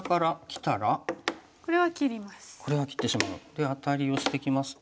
でアタリをしてきますと？